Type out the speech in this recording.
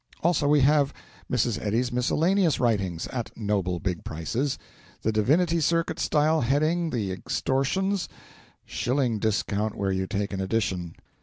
Also we have Mrs. Eddy's 'Miscellaneous Writings,' at noble big prices, the divinity circuit style heading the extortions, shilling discount where you take an edition.